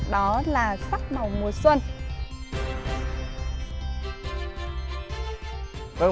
đó là sắc màu mùa xuân